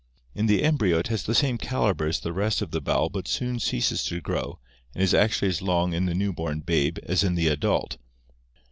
In the embryo it has the same caliber as the rest of the bowel but soon ceases to grow and is actually as long in the new born babe as in the adult.